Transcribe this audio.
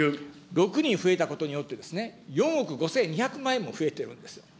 ６人増えたことによってですね、４億５２００万円も増えているんです。